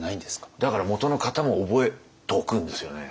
だからもとの型も覚えておくんですよね。